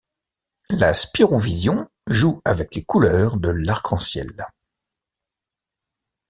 La Spirouvision joue avec les couleurs de l'arc en ciel.